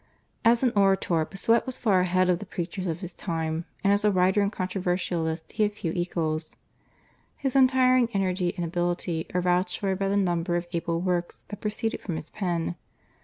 As an orator Bossuet was far ahead of the preachers of his time, and as a writer and controversialist he had few equals. His untiring energy and ability are vouched for by the number of able works that proceeded from his pen.